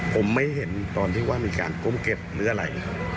ผมไม่เห็นตอนที่ว่ามีการก้มเก็บหรืออะไร